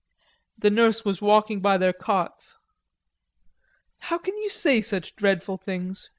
The nurse was walking by their cots. "How can you say such dreadful things?"